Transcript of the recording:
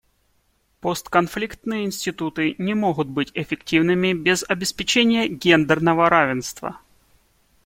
Постконфликтные институты не могут быть эффективными без обеспечения гендерного равенства.